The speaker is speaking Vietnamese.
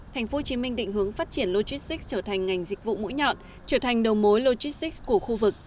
tp hcm định hướng phát triển logistics trở thành ngành dịch vụ mũi nhọn trở thành đầu mối logistics của khu vực